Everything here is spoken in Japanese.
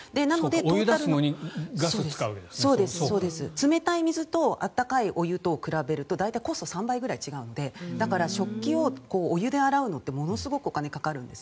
冷たい水と温かいお湯を比べると大体コストは３倍ぐらい違うので食器をお湯で洗うのってものすごくお金がかかるんです。